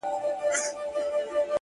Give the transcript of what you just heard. کلونه کیږي په خوبونو کي راتللې اشنا؛